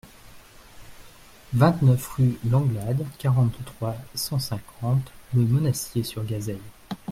vingt-neuf rue Langlade, quarante-trois, cent cinquante, Le Monastier-sur-Gazeille